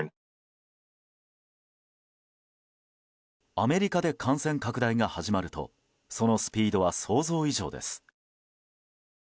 アメリカで感染拡大が始まるとそのスピードは想像以上です。